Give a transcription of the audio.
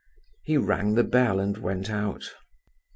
He rang the bell and went out.